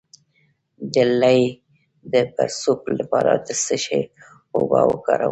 د لۍ د پړسوب لپاره د څه شي اوبه وکاروم؟